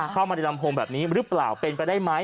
เข้ามาในลำโพงแบบนี้หรือเปล่าเป็นไปได้ไหม